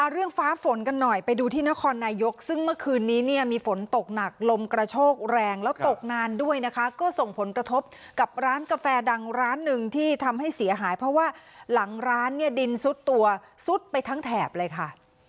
เรื่องฟ้าฝนกันหน่อยไปดูที่นครนายกซึ่งเมื่อคืนนี้เนี่ยมีฝนตกหนักลมกระโชกแรงแล้วตกนานด้วยนะคะก็ส่งผลกระทบกับร้านกาแฟดังร้านหนึ่งที่ทำให้เสียหายเพราะว่าหลังร้านเนี่ยดินซุดตัวซุดไปทั้งแถบเลยค่ะ